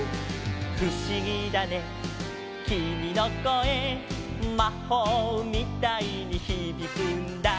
「ふしぎだねきみのこえ」「まほうみたいにひびくんだ」